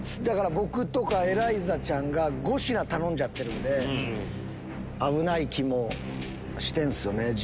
だから僕とかエライザちゃんが５品頼んじゃってるんで危ない気もしてんすよね